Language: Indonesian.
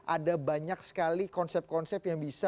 ada banyak sekali konsep konsep yang bisa